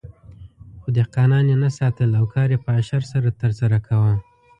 خو دهقانان یې نه ساتل او کار یې په اشر سره ترسره کاوه.